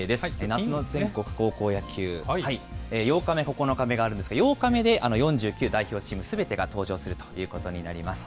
夏の全国高校野球８日、９日目があるんですけれども、８日目で４９代表チームすべてが登場するということになります。